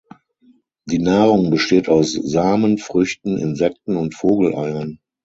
Die Nahrung besteht aus Samen, Früchten, Insekten und Vogeleiern.